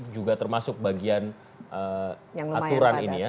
juga termasuk bagian aturan ini ya